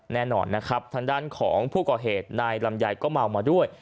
แน่นอนนะครับทางด้านของผู้ก่อเหตุนายลำไยก็เมามาด้วย